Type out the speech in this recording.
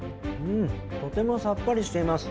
てともさっぱりしています。